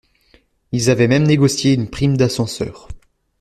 Ils avaient même négocié une prime d'ascenseur.